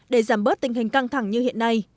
để giảm bớt tình hình căng thẳng như hiện nay